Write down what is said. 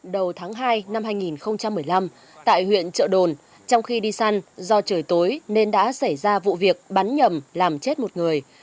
đầu tháng hai năm hai nghìn một mươi năm tại huyện trợ đồn trong khi đi săn do trời tối nên đã xảy ra vụ việc bắn nhầm làm chết một người